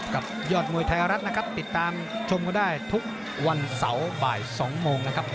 กับยอดมวยไทยรัฐนะครับติดตามชมกันได้ทุกวันเสาร์บ่าย๒โมงนะครับ